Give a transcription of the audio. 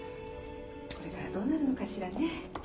これからどうなるのかしらね。